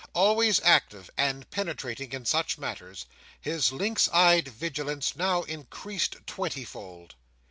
Always active and penetrating in such matters, his lynx eyed vigilance now increased twenty fold.